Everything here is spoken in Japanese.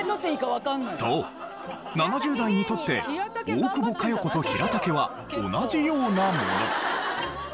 そう７０代にとって大久保佳代子とヒラタケは同じようなもの。